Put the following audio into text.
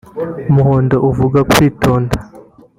umuhondo uvuga kwitonda